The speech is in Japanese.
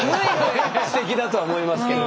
すてきだとは思いますけど。